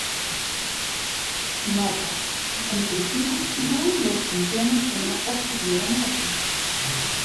Nota: En "cursiva" figuran los campeones que no obtuvieron el ascenso.